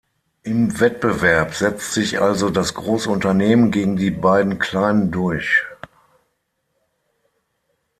Im Wettbewerb setzt sich also das große Unternehmen gegen die beiden kleinen durch.